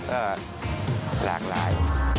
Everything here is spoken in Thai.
ก็หลากหลาย